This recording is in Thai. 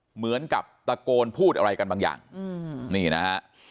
เหมือนกับตะโกนพูดอะไรกันบางอย่างนี่นะฮะ